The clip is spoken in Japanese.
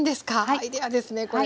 アイデアですねこれは。